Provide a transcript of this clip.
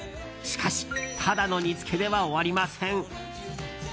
しかしただの煮つけでは終わりません。